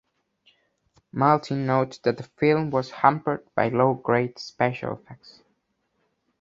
Maltin noted that the film was "hampered by low-grade special effects".